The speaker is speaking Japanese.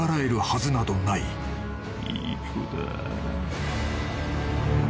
いい子だ。